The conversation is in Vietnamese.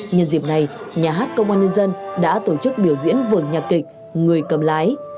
nhân dịp này nhà hát công an nhân dân đã tổ chức biểu diễn vở nhạc kịch người cầm lái